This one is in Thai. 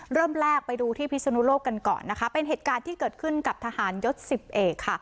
เริ่มแรกไปดูที่พิศนุโลกกันก่อนนะคะเป็นเหตุการณ์ที่เกิดขึ้นกับทหารยศสิบเอกค่ะ